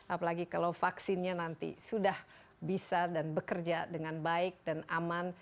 apalagi kalau vaksinnya nanti sudah bisa dan bekerja dengan baik dan aman